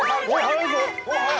早いぞ！